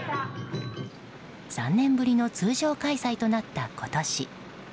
３年ぶりの通常開催となった今年。